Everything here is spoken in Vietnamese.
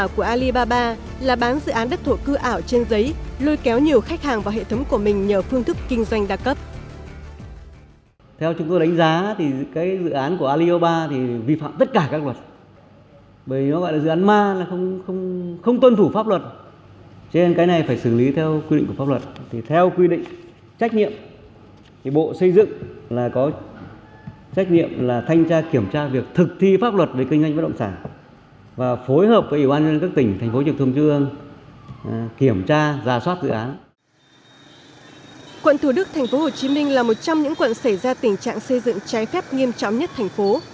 quận thủ đức tp hcm là một trong những quận xảy ra tình trạng xây dựng trái phép nghiêm trọng nhất thành phố